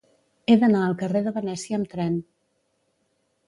He d'anar al carrer de Venècia amb tren.